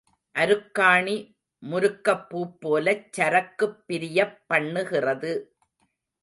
அருக்காணி முருக்கப்பூப்போலச் சரக்குப் பிரியப் பண்ணுகிறது.